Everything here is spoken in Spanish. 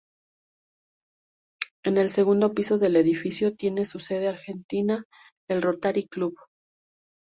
En el segundo piso del edificio, tiene su sede argentina el Rotary Club.